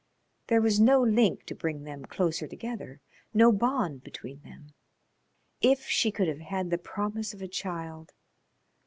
There was no link to bring them closer together, no bond between them. If she could have had the promise of a child.